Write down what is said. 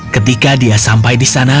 ketika dia sampai di sana